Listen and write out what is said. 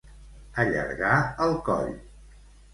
Allargar el coll.